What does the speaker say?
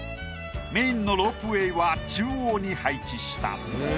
メインのロープウェイは中央に配置した。